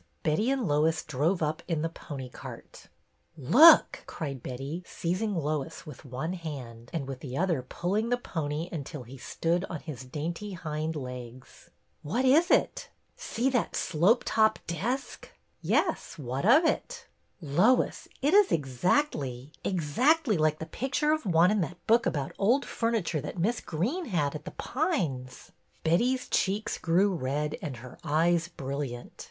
Betty and Lois drove up in the pony cart. Look !'' cried Betty, seizing Lois with one hand and with the other pulling the pony until he stood on his dainty hind legs. What is it?^^ See that slope top desk?'' Yes, what of it? " Lois, it is exactly, exactly like the picture of 138 BETTY BAIRD'S VENTURES one in that book about old furniture that Miss Greene had at The Pines !" Betty's cheeks grew red and her eyes brilliant.